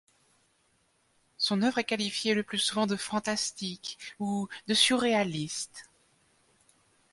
Son oeuvre est qualifiée le plus souvent de fantastique ou de surréaliste.